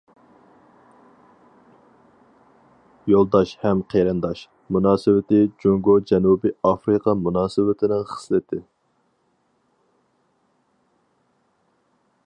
« يولداش ھەم قېرىنداش» مۇناسىۋىتى جۇڭگو- جەنۇبىي ئافرىقا مۇناسىۋىتىنىڭ خىسلىتى.